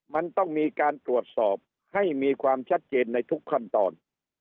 มันต้องมีการตรวจสอบให้มีความชัดเจนในทุกขั้นตอน